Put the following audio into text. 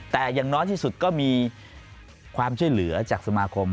แต่อย่างน้อยที่สุดก็มีความช่วยเหลือจากสมาคม